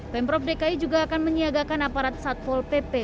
pemprov dki juga akan menyiagakan aparat satpol pp